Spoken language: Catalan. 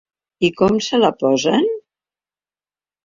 I com se la posen?